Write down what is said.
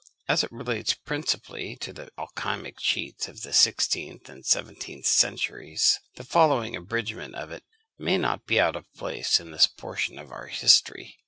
As it relates principally to the alchymic cheats of the sixteenth and seventeenth centuries, the following abridgment of it may not be out of place in this portion of our history.